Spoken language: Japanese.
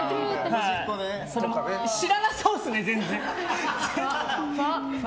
知らなそうですね、全然。